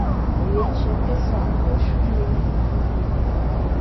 Rié nshié pesa’kùe-shu ne mùr-u.